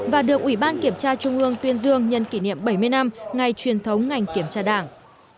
và được ủy ban kiểm tra trung ương tuyên dương nhân kỷ niệm bảy mươi năm ngày truyền thống ngành kiểm tra đảng